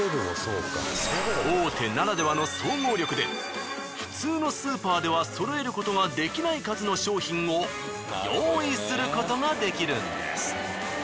大手ならではの総合力で普通のスーパーではそろえることができない数の商品を用意することができるんです。